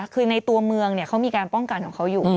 คือในตัวเมืองเขามีการป้องกันของเขาอยู่